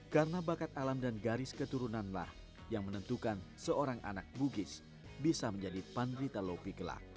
karena bakat alam dan garis keturunanlah yang menentukan seorang anak bugis bisa menjadi pan rita lopi